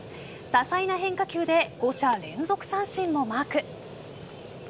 多彩な変化球で５者連続三振もマーク。